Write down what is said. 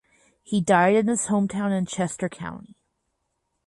He died in his hometown in Chester County.